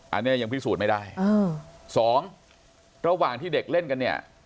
อันนี้ยังพิสูจน์ไม่ได้สองระหว่างที่เด็กเล่นกันเนี่ย